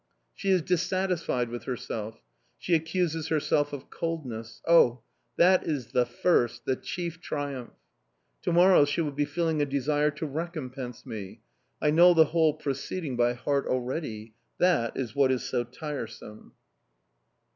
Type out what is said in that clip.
She is dissatisfied with herself. She accuses herself of coldness... Oh, that is the first, the chief triumph! To morrow, she will be feeling a desire to recompense me. I know the whole proceeding by heart already that is what is so tiresome!